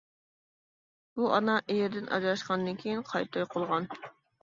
بۇ ئانا ئېرىدىن ئاجراشقاندىن كېيىن قايتا توي قىلغان.